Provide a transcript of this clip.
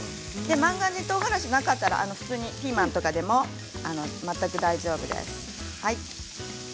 万願寺とうがらしがなかったら普通にピーマンとかでも全く大丈夫です。